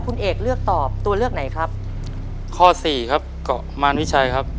คุณเอกเลือกตอบตัวเลือกไหนครับข้อสี่ครับเกาะมารวิชัยครับ